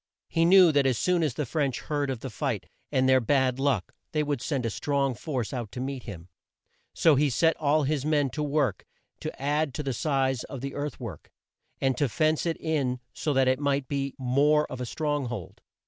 He knew that as soon as the French heard of the fight and their bad luck, they would send a strong force out to meet him, so he set all his men to work to add to the size of the earth work, and to fence it in so that it might be more of a strong hold.